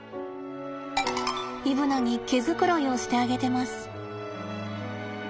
イブナに毛繕いをしてあげてます。